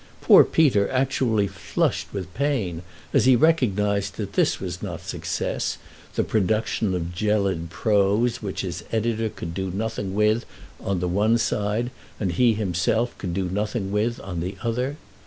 Poor Peter actually flushed with pain as he recognised that this was not success, the production of gelid prose which his editor could do nothing with on the one side and he himself could do nothing with on the other.